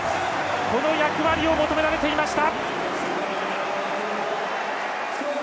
この役割を求められていました！